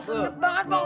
sedap banget bang